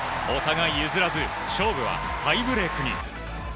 お互い譲らず勝負はタイブレークに。